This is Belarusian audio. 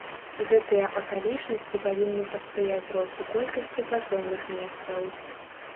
Гэтыя акалічнасці павінны паспрыяць росту колькасці працоўных месцаў.